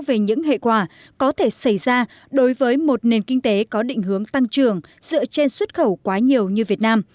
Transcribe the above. về những hệ quả có thể xảy ra đối với một nền kinh tế có định hướng tăng trưởng dựa trên xuất khẩu quá nhiều như việt nam